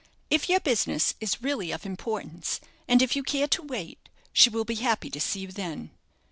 If your business is really of importance, and if you care to wait, she will be happy to see you then."